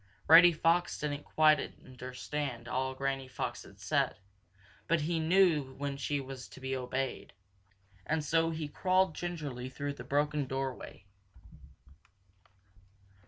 Reddy Fox didn't quite understand all Granny Fox said, but he knew when she was to be obeyed, and so he crawled gingerly through the broken down doorway.